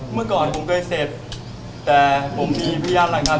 เมื่อก่อนผมเคยเสร็จแต่ผมมีพยานหลายงาน